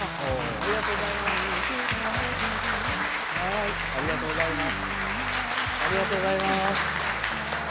ありがとうございます。